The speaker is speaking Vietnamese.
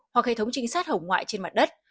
hoặc hệ thống trinh sát hồng ngoại trên mặt đất